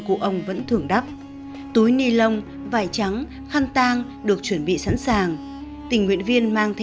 cụ ông vẫn thưởng đắp túi ni lông vải trắng khăn tang được chuẩn bị sẵn sàng tình nguyện viên mang